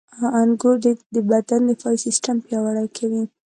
• انګور د بدن دفاعي سیستم پیاوړی کوي.